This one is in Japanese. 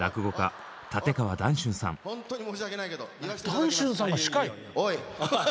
談春さんが司会？